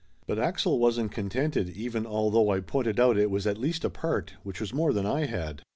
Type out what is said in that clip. But Axel wasn't contented, even although I pointed out it was at least a part, which was more than I had.